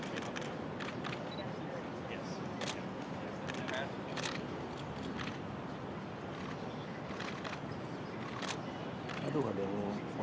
terima kasih atas kekuatan anda